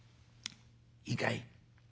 「いいかい？